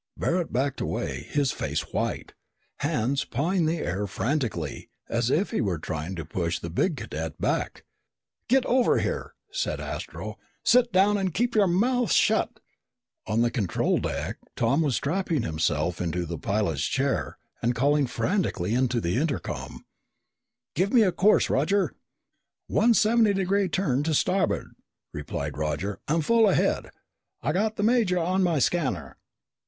Barret backed away, his face white, hands pawing the air frantically as if he were trying to push the big cadet back. "Get over there," said Astro. "Sit down and keep your mouth shut!" On the control deck, Tom was strapping himself into the pilot's chair and calling frantically into the intercom, "Give me a course, Roger!" "One seventy degree turn to starboard," replied Roger, "and full ahead! I've got the major on my scanner."